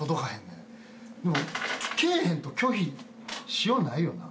でも来えへんと拒否しようないよな？